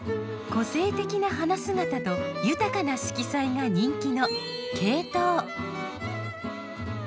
個性的な花姿と豊かな色彩が人気のケイトウ。